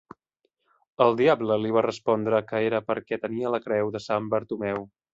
El diable li va respondre que era perquè tenia la Creu de sant Bartomeu.